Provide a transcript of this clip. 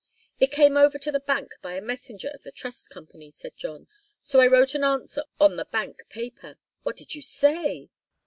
"It came over to the bank by a messenger of the Trust Company," said John. "So I wrote an answer on the bank paper " "What did you say?"